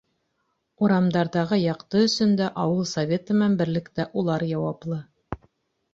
Урамдарҙағы яҡты өсөн дә ауыл Советы менән берлектә улар яуаплы.